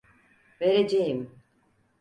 Vereceğim.